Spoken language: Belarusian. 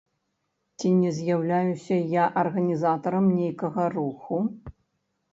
Ці не з'яўляюся я арганізатарам нейкага руху?